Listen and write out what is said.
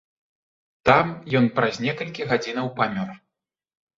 Там ён праз некалькі гадзінаў памёр.